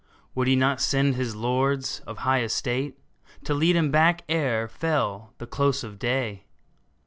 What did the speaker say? Would he not send his lords of high estate To lead him back ere fell the close of day